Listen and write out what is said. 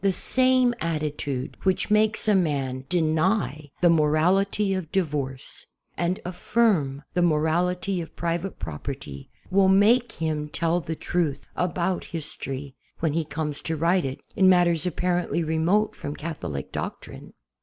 The same attitude which makes a man deny the morality of divorce and affirm the morality of private property will make him tell the truth about history, when he comes to write it, in matters apparently remote from Catholic doc trine.